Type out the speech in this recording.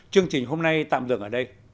chương trình hôm nay tạm dừng ở đây